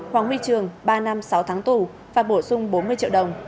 hoàng huy trường ba năm sáu tháng tù và bổ sung bốn mươi triệu đồng